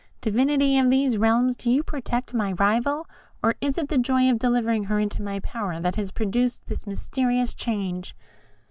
"Divinity of these realms, do you protect my rival, or is it the joy of delivering her into my power that has produced this mysterious change?"